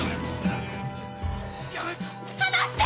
離して！